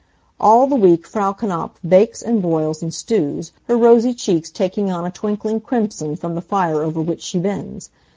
All the week Frau Knapf bakes and broils and stews, her rosy cheeks taking on a twinkling crimson from the fire over which she bends.